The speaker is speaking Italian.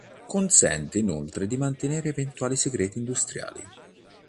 Consente inoltre di mantenere eventuali segreti industriali.